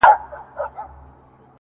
هغه به خپل زړه په ژړا وویني ـ